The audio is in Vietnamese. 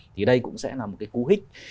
thì đây cũng sẽ là một cái cú hích